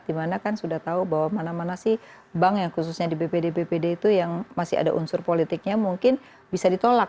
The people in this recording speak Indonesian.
dimana kan sudah tahu bahwa mana mana sih bank yang khususnya di bpd bpd itu yang masih ada unsur politiknya mungkin bisa ditolak